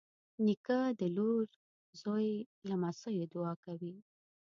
نیکه د لور، زوی، لمسيو دعا کوي.